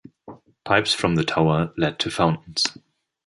Pipes from the tower lead to fountains.